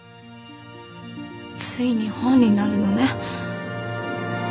ついに本になるのね。